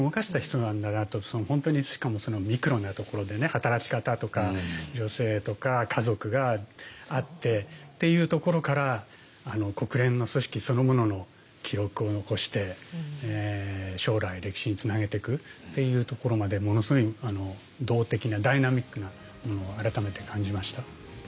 本当にしかもミクロなところでね働き方とか女性とか家族があってっていうところから国連の組織そのものの記録を残して将来歴史につなげてくっていうところまでものすごい動的なダイナミックなものを改めて感じました。